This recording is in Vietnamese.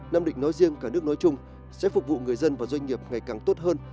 nam định nói riêng cả nước nói chung sẽ phục vụ người dân và doanh nghiệp ngày càng tốt hơn